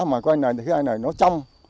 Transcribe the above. mà coi là nó trong